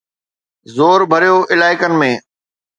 زور ڀريو علائقن ۾